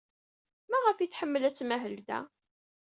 Maɣef ay tḥemmel ad tmahel da?